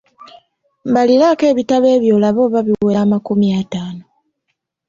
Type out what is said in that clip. Mbaliraako ebitabo ebyo olabe oba biwera amakumi ataano.